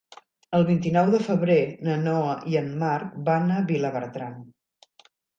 El vint-i-nou de febrer na Noa i en Marc van a Vilabertran.